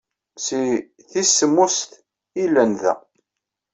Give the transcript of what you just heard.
Seg tis semmuset ay llan da.